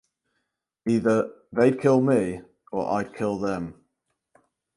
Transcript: Either they’d kill me or I’d kill them.